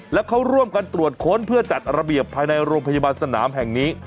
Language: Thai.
แล้วเขาร่วมกันตรวจค้นเพื่อจัดระเบียบภายในโรงพยาบาลสนามแห่งนี้